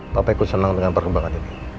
papa ikut senang dengan perkembangan ini